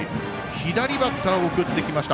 左バッターを送ってきました。